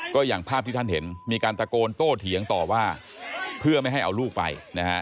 ก็อย่างภาพที่ท่านเห็นมีการตะโกนโต้เถียงต่อว่าเพื่อไม่ให้เอาลูกไปนะฮะ